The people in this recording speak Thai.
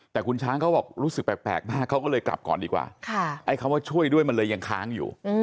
แต่คุณช้างเขาบอกรู้สึกแปลกมากเขาก็เลยกลับก่อนดีกว่าไอ้คำว่าช่วยด้วยมันเลยยังค้างอยู่